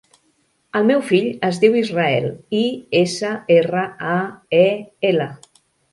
El meu fill es diu Israel: i, essa, erra, a, e, ela.